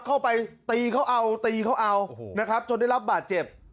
เข้าไปตีเขาเอาตีเขาเอานะครับจนได้รับบาดเจ็บ